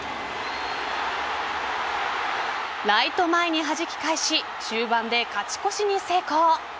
ライト前にはじき返し終盤で勝ち越しに成功。